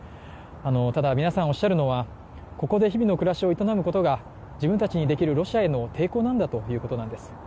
ただ、皆さんおっしゃるのはここで日々の暮らしを営むことが自分たちにできるロシアへの抵抗なんだということなんです。